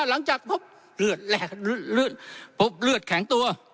หลังจากพบเลือดพบเลือดแข็งตัว